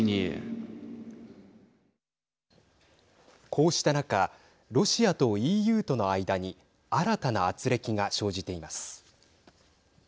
こうした中ロシアとＥＵとの間に新たなあつれきが生じています。